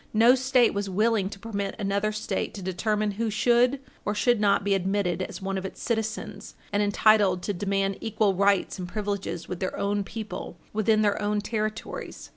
No State was willing to permit another State to determine who should or should not be admitted as one of its citizens, and entitled to demand equal rights and privileges with their own people, within their own territories.